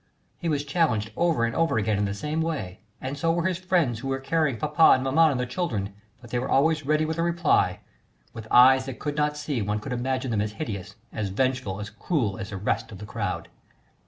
He was challenged over and over again in the same way, and so were his friends who were carrying papa and maman and the children, but they were always ready for a reply. With eyes that could not see one could imagine them as hideous, as vengeful, as cruel as the rest of the crowd.